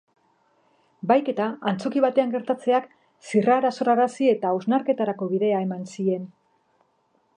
Bahiketa antzoki batean gertatzeak zirrara sorrarazi eta hausnarketarako bidea eman zien.